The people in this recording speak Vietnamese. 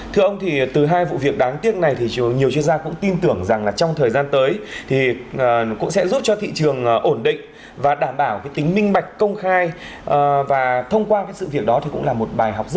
thưa ông thì từ hai vụ việc đáng tiếc này thì nhiều chuyên gia cũng tin tưởng rằng là trong thời gian tới thì cũng sẽ giúp cho thị trường ổn định và đảm bảo cái tính minh bạch công khai và thông qua cái sự việc đó thì cũng là một bài học rất